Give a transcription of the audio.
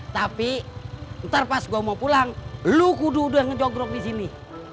tapi ntar pas gue mau pulang lo kudu kudu yang ngejogrok di sini